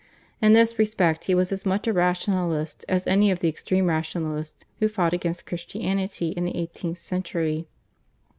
In this respect he was as much a rationalist as any of the extreme rationalists who fought against Christianity in the eighteenth century.